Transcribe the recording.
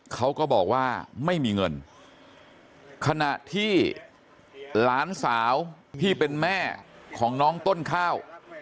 เขาก็บอกว่าไม่มีเงินขณะที่หลานสาวที่เป็นแม่ของน้องต้นข้าว